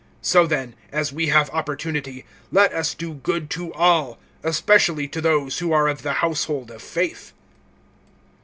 (10)So then, as we have opportunity, let us do good to all, especially to those who are of the household of faith.